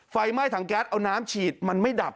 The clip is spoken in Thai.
ไฟไหม้ถังแก๊สเอาน้ำฉีดมันไม่ดับ